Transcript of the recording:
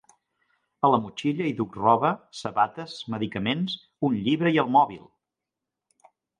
A la motxilla hi duc roba, sabates, medicaments, un llibre i el mòbil!